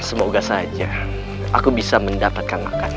semoga saja aku bisa mendapatkan makan